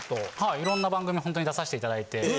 いろんな番組ホントに出させていただいて。